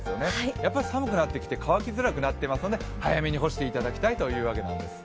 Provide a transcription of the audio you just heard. やっぱり寒くなってきて乾きづらくなってきていますので早めに干していただきたいというわけなんです。